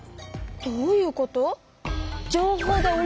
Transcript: どういうこと？